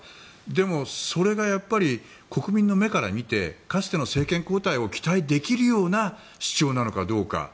でも、それがやっぱり国民の目から見てかつての政権交代を期待できるような主張なのかどうか。